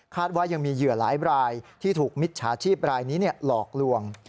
ว่ายังมีเหยื่อหลายรายที่ถูกมิจฉาชีพรายนี้หลอกลวง